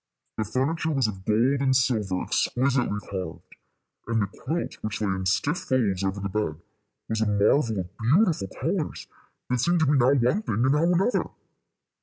The furniture was of gold and silver, exquisitely carved, and the quilt, which lay in stiff folds over the bed, was a marvel of beautiful colors that seemed to be now one thing and now another.